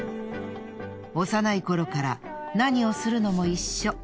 幼い頃から何をするのも一緒。